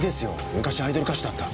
昔アイドル歌手だった。